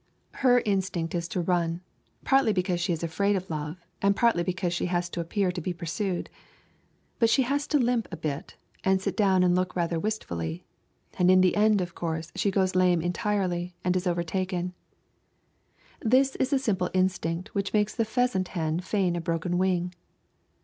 Her instinct is to run, partly because she is afraid of love and partly because she has to appear to be pursued. But she has to limp a bit, and sit down and look back rather wistfully, and in the end of course she goes lame entirely and is overtaken. This is the same instinct which makes the pheasant hen feign a broken wing.